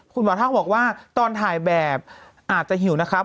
หมอทักบอกว่าตอนถ่ายแบบอาจจะหิวนะครับ